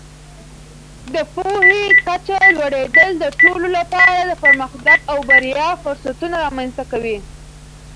د پوهې کچه لوړېدل د ټولو لپاره د پرمختګ او بریا فرصتونه رامینځته کوي.